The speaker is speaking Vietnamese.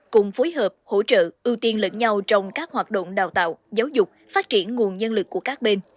cùng phối hợp hỗ trợ ưu tiên lẫn nhau trong các hoạt động đào tạo giáo dục phát triển nguồn nhân lực của các bên